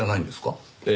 ええ。